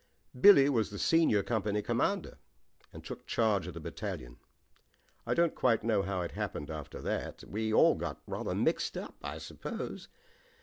Billy was the senior company commander and took charge of the battalion. I don't quite know how it happened after that. We all got rather mixed up, I suppose.